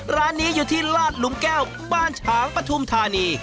ร้านนี้อยู่ที่ลาดหลุมแก้วบ้านฉางปฐุมธานี